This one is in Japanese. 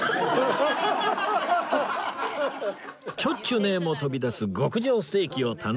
「ちょっちゅね」も飛び出す極上ステーキを堪能